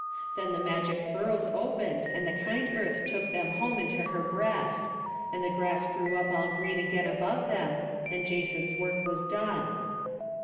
Then the magic furrows opened, and the kind earth took them home into her breast; and the grass grew up all green again above them, and Jason's work was done.